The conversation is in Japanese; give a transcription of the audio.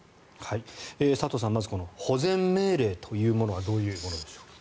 佐藤さん、まず保全命令というものはどういうものでしょうか？